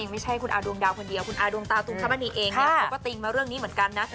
ไม่ใช่คุณอาดวงดาวคนเดียวคุณอาดวงตาตุงคมณีเองเขาก็ติงมาเรื่องนี้เหมือนกันนะ